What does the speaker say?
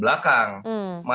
pembangunan panggung belakang